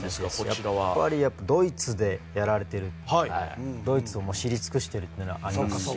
やっぱりドイツでやられていてドイツを知り尽くしているというのがありますし。